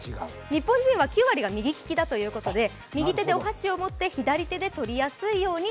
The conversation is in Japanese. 日本人は９割が右利きだということで右手でお箸を持って左手で取りやすいように。